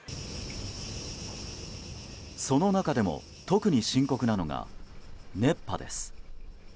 その中でも特に深刻なのが熱波です。